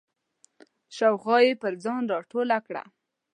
شاوخوا یې پر ځان راټوله کړه.